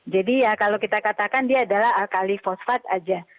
jadi ya kalau kita katakan dia adalah alkali fosfat aja